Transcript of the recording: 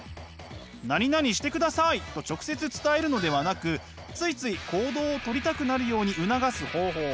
「何々してください」と直接伝えるのではなくついつい行動をとりたくなるように促す方法